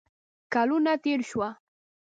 کلونه تیر شوه